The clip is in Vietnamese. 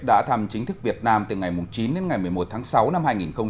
đã thăm chính thức việt nam từ ngày chín đến ngày một mươi một tháng sáu năm hai nghìn một mươi chín